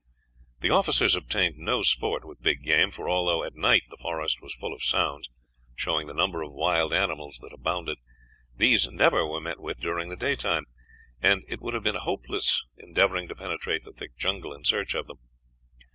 The officers obtained no sport with big game; for although at night the forest was full of sounds, showing the number of wild animals that abounded, these never were met with during the daytime, and it would have been hopeless endeavoring to penetrate the thick jungle in search of them.